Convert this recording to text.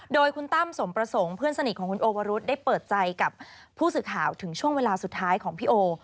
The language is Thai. โดยคุณตั้มสมประสงค์เพื่อนสนิทของคุณโอวรุษได้เปิดใจกับผู้สื่อข่าวถึงช่วงเวลาสุดท้ายของพี่โอ